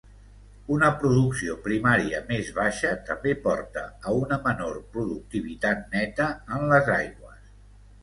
Una producció primària més baixa també porta a una menor productivitat neta en les aigües.